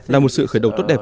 là một sự khởi đầu tốt đẹp